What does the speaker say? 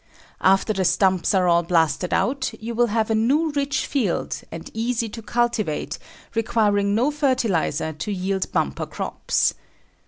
After the stumps are all blasted out, you will have a new, rich field, and easy to cultivate, requiring no fertilizer to yield bumper crops.